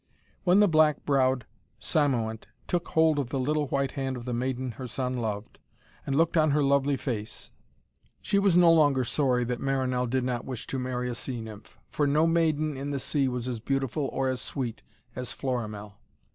When the black browed Cymoënt took hold of the little white hand of the maiden her son loved, and looked on her lovely face, she was no longer sorry that Marinell did not wish to marry a sea nymph. For no maiden in the sea was as beautiful or as sweet as Florimell.